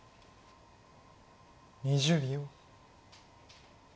２０秒。